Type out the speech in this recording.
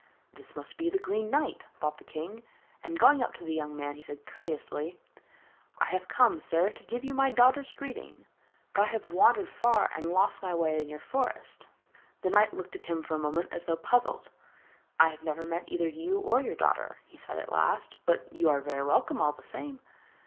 'This must be the Green Knight,' thought the king; and going up to the young man he said courteously: 'I have come, sir, to give you my daughter's greeting. But I have wandered far, and lost my way in your forest.' The knight looked at him for a moment as though puzzled. 'I have never met either you or your daughter,' he said at last; 'but you are very welcome all the same.'